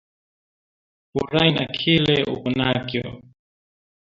Furayi na kile uko nakyo